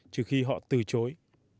trừ khi họ từ chối